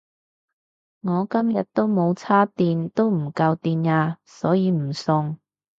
我今日都冇叉電都唔夠電呀所以唔送